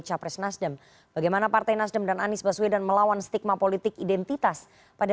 capres nasdem bagaimana partai nasdem dan anies baswedan melawan stigma politik identitas pada